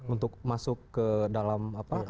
untuk masuk ke sini dan masuk ke sana atau ke sana